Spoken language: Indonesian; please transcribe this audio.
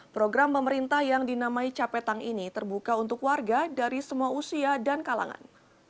program pemerintah yang dinamai capetang ini terbuka untuk warga dari semua usia dan kalangan